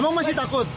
emang masih takut